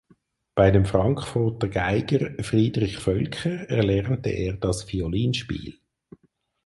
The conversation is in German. Bei dem Frankfurter Geiger Friedrich Völker erlernte er das Violinspiel.